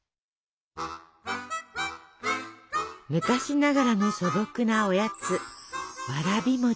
昔ながらの素朴なおやつわらび餅。